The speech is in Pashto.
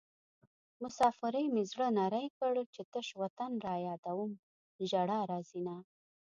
مسافرۍ مې زړه نری کړ چې تش وطن رايادوم ژړا راځينه